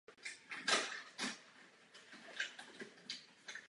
Hrála v slovenském filmu i v televizních inscenacích.